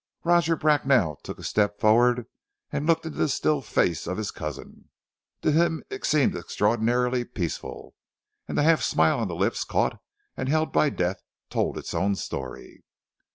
Roger Bracknell took a step forward, and looked into the still face of his cousin. To him it seemed extraordinarily peaceful, and the half smile on the lips caught and held by death told its own story.